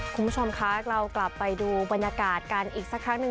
คุณผู้ชมคะเรากลับไปดูบรรยากาศกันอีกสักครั้งหนึ่ง